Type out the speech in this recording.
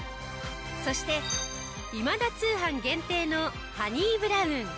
そして『今田通販』限定のハニーブラウン。